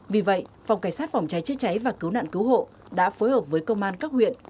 vì vậy phòng cảnh sát phòng cháy chữa cháy và cứu nạn cứu hộ đã phối hợp với công an các huyện